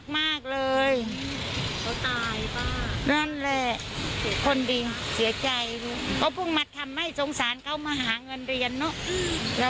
โตมาเผื่อจะโตตรงสารเขาตรงสารพ่อแม่เขาเนอะ